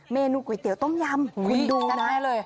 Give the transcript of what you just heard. เมนูก๋วยเตี๋ยวต้มยำคุณดูนะ